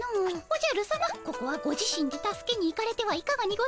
おじゃるさまここはご自身で助けに行かれてはいかがにございましょう？